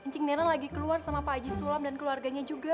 cincing nera lagi keluar sama pak aji sulam dan keluarganya juga